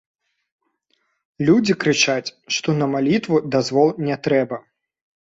Людзі крычаць, што на малітву дазвол не трэба.